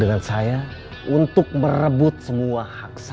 tengine yang tidak berbahaya